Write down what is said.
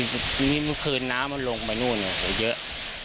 มีมีพื้นน้ำมันลงไปนู่นเนี้ยเยอะ